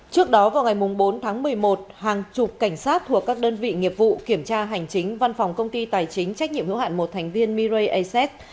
trước đó vào ngày bốn tháng một mươi một hàng chục cảnh sát thuộc các đơn vị nghiệp vụ kiểm tra hành chính văn phòng công ty tài chính trách nhiệm hữu hạn một thành viên miray aset